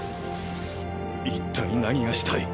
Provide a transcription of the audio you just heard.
一体何がしたい？